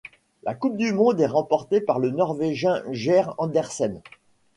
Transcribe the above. Le Coupe du monde est remportée par le Norvégien Geir Andersen.